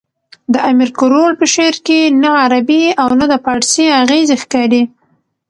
د امیر کروړ په شعر کښي نه عربي او نه د پاړسي اغېزې ښکاري.